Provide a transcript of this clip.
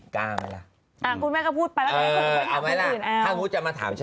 คุณแม่มาเชื่อใครคะ